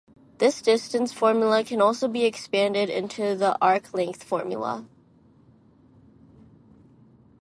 This distance formula can also be expanded into the arc-length formula.